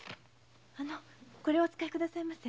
これをお使いくださいませ。